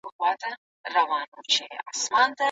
ښه ښځه هغه ده، چي مهر ئې لږ وي.